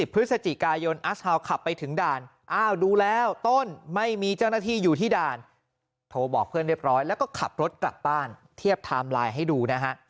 พฤศจิกายนอัสฮาวขับไปถึงด่านอ้าวดูแล้วต้นไม่มีเจ้าหน้าที่อยู่ที่ด่านโทรบอกเพื่อนเรียบร้อยแล้วก็ขับรถกลับบ้านเทียบไทม์ไลน์ให้ดูนะฮะ